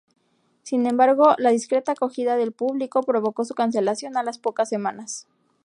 Sin embargo la discreta acogida del público provocó su cancelación a las pocas semanas.